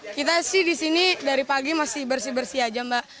kita sih di sini dari pagi masih bersih bersih aja mbak